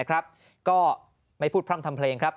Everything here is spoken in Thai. ก็ไม่พูดพร่ำทำเพลงครับ